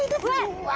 うわ！